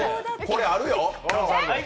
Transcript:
これあるよ。